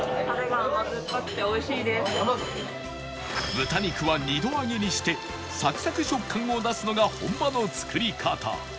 豚肉は２度揚げにしてサクサク食感を出すのが本場の作り方